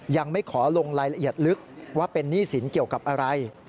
ยังไม่ขอลงรายละเอียดลึกว่าเป็นหนี้สินเกี่ยวกับอะไร